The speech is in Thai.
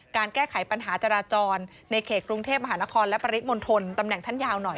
แก้ไขปัญหาจราจรในเขตกรุงเทพมหานครและปริมณฑลตำแหน่งท่านยาวหน่อย